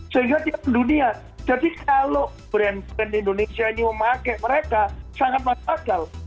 sehingga tiap dunia jadi kalau brand brand indonesia ini memakai mereka sangat masuk akal